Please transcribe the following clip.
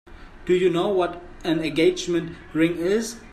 Do you know what an engagement ring is?